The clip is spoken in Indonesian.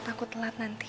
takut telat nanti